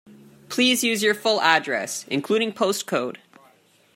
Please use your full address, including postcode